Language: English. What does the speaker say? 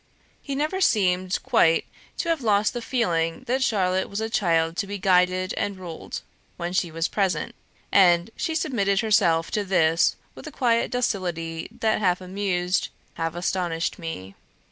He never seemed quite to have lost the feeling that Charlotte was a child to be guided and ruled, when she was present; and she herself submitted to this with a quiet docility that half amused, half astonished me.